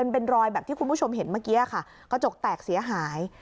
เป็นรอยแบบที่คุณผู้ชมเห็นเมื่อกี้ค่ะกระจกแตกเสียหาย